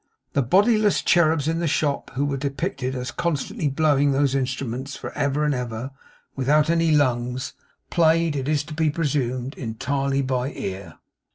The bodiless cherubs in the shop, who were depicted as constantly blowing those instruments for ever and ever without any lungs, played, it is to be presumed, entirely by ear.